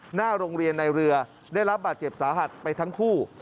หน้าโรงเรียนในเรือได้รับบาดเจ็บสาหัสไปทั้งคู่